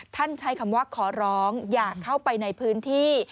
ใช้คำว่าขอร้องอย่าเข้าไปในพื้นที่